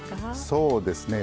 そうですね。